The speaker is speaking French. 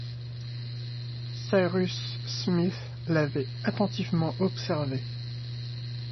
Cyrus Smith l’avait attentivement observé.